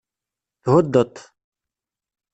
Thuddeḍ-t.